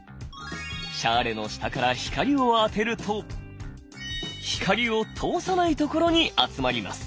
シャーレの下から光を当てると光を通さない所に集まります。